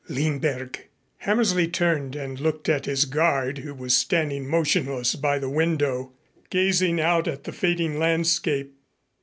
Lindberg! Hammersley turned and looked at his guard who was standing motionless by the window, gazing out at the fading landscape.